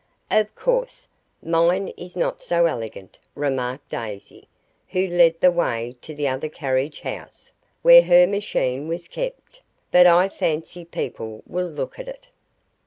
"Of course, mine is not so elegant," remarked Daisy, who led the way to the other carriage house, where her machine was kept, "but I fancy people will look at it."